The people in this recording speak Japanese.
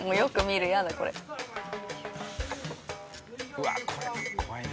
うわっこれ怖いな。